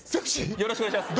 よろしくお願いします